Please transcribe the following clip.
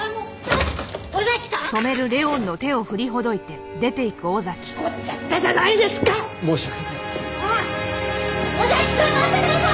尾崎さん待ってください！